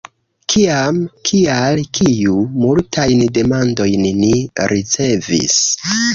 “Kiam?” “Kial?” “Kiu?” Multajn demandojn ni ricevis.